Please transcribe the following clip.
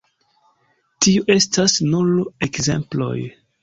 Tio estas nur ekzemploj.